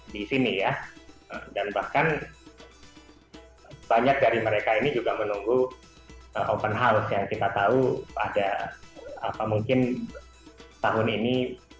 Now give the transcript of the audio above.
di sini ya dan bahkan banyak dari mereka ini juga menunggu open house yang kita tahu ada apa mungkin tahun ini